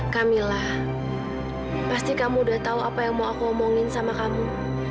kamila pasti kamu udah tahu apa yang mau aku omongin sama kamu